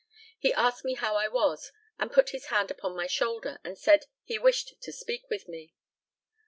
He asked me how I was, and put his hand upon my shoulder, and said he wished to speak with me.